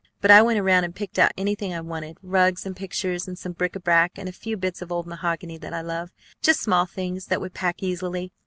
But I went around and picked out anything I wanted, rugs and pictures and some bric à brac, and a few bits of old mahogany that I love, just small things that would pack easily.